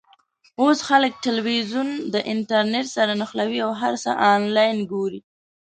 اوس خلک ټلویزیون د انټرنېټ سره نښلوي او هر څه آنلاین ګوري.